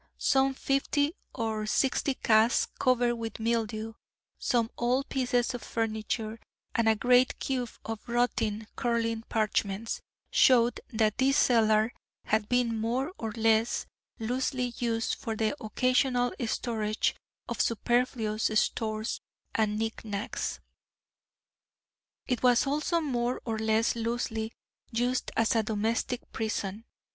Some fifty or sixty casks, covered with mildew, some old pieces of furniture, and a great cube of rotting, curling parchments, showed that this cellar had been more or less loosely used for the occasional storage of superfluous stores and knick knacks. It was also more or less loosely used as a domestic prison.